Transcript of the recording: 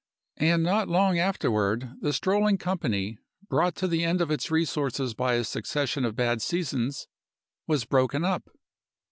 And not long afterward the strolling company, brought to the end of its resources by a succession of bad seasons, was broken up.